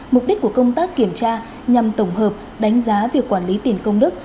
mục đích của công tác kiểm tra nhằm tổng hợp đánh giá việc quản lý tiền công đức